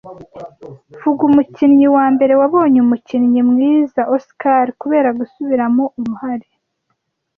Vuga umukinnyi wa mbere wabonye umukinnyi mwiza Oscar kubera gusubiramo uruhare